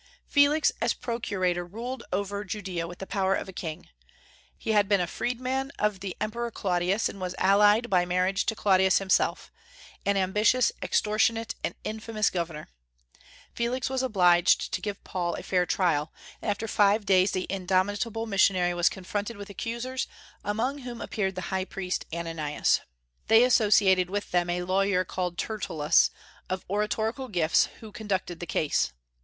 Felix, as procurator, ruled over Judaea with the power of a king. He had been a freedman of the Emperor Claudius, and was allied by marriage to Claudius himself, an ambitious, extortionate, and infamous governor. Felix was obliged to give Paul a fair trial, and after five days the indomitable missionary was confronted with accusers, among whom appeared the high priest Ananias. They associated with them a lawyer called Tertullus, of oratorical gifts, who conducted the case.